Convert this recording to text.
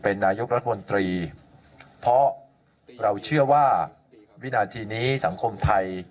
นายกรัฐมนตรีเพราะเราเชื่อว่าวินาทีนี้สังคมไทย